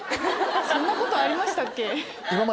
そんなことありましたっけ？